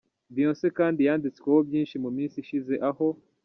Beyonce kandi yanditsweho byinshi mu minsi ishize aho.